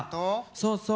そうそう。